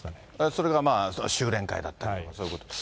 それが修練会だったりとか、そういうこと。